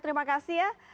terima kasih ya